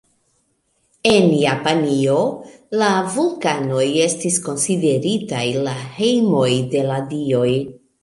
En Japanio la vulkanoj estis konsideritaj la hejmoj de la dioj.